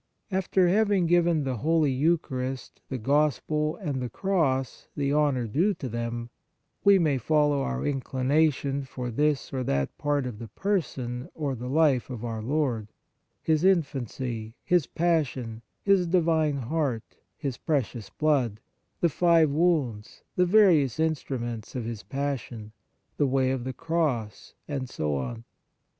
After having given the Holy Eucharist, the Gospel, and the Cross, the honour due to them, we may follow our inclination for this or that part of the Person or the life of our Lord ; His Infancy, His Passion, His Divine Heart, His precious Blood, the five Wounds, the various instruments of His Passion, the Way of the Cross, and so on.